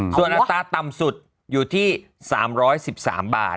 ส่วนอัตราต่ำสุดอยู่ที่๓๑๓บาท